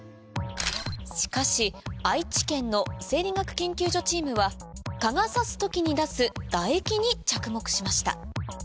しかし愛知県の生理学研究所チームは蚊が刺す時に出す唾液に着目しました